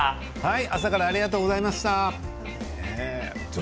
朝からありがとうございました。